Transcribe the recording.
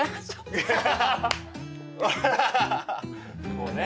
こうね。